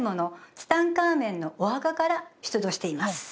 ツタンカーメンのお墓から出土しています